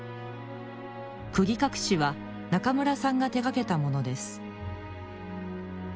釘隠しは中村さんが手がけたものです